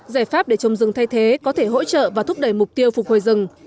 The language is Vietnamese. giải pháp để trồng rừng thay thế có thể hỗ trợ và thúc đẩy mục tiêu phục hồi rừng